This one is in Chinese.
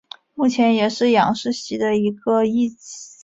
目前也是杨氏蜥的一个次异名。